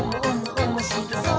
おもしろそう！」